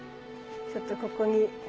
ちょっとここに。